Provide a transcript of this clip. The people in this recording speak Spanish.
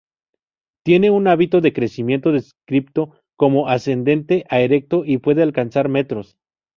Tiene un hábito de crecimiento descripto como ascendente a erecto y puede alcanzar metros.